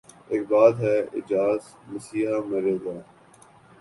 اک بات ہے اعجاز مسیحا مرے آگے